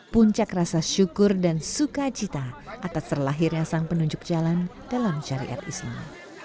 puncak rasa syukur dan sukacita atas terlahirnya sang penunjuk jalan dalam syariat islam